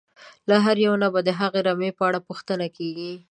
له هر یوه نه به د هغه رمې په اړه پوښتنه کېږي.